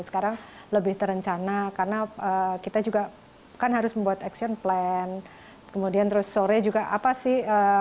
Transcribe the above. sekarang lebih terencana karena kita juga kan harus membuat action plan kemudian terus sore juga apa sih